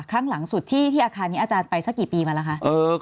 ครั้งหลังสุดที่อาคารนี้อาจารย์ไปสักกี่ปีมาแล้วคะ